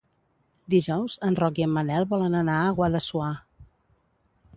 Dijous en Roc i en Manel volen anar a Guadassuar.